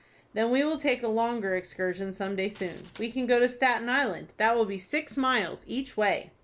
"Then we will take a longer excursion some day soon. We can go to Staten Island. That will be six miles each way."